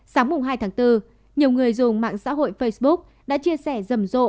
sáng mùng hai tháng bốn nhiều người dùng mạng xã hội facebook đã chia sẻ dầm rộ